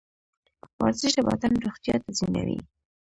ورزش د بدن روغتیا تضمینوي.